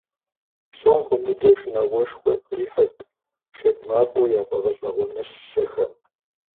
Псом хуэмыдэу шынагъуэшхуэ къихьырт шэд мафӀэу яфӀэгъэщӀэгъуэныщэхэм.